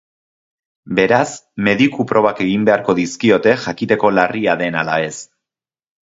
Beraz, mediku-probak egin beharko dizkiote jakiteko larria den ala ez.